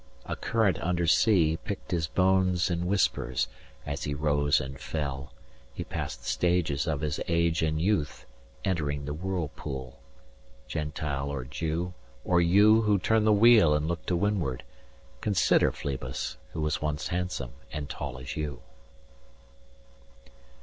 A current under sea 315 Picked his bones in whispers. As he rose and fell He passed the stages of his age and youth Entering the whirlpool. Gentile or Jew O you who turn the wheel and look to windward, 320 Consider Phlebas, who was once handsome and tall as you.